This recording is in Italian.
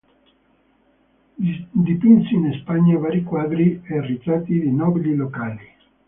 Dipinse in Spagna vari quadri e ritratti di nobili locali.